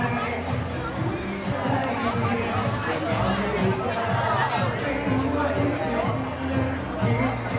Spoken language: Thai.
อะไรอย่างนี้ค่ะไข้หวัดพอดีอะไรอย่างนี้ค่ะขอบคุณค่ะขอบคุณค่ะ